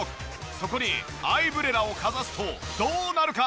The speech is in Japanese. そこにアイブレラをかざすとどうなるか？